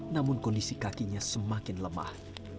namun kondisi kakinya semakin lemah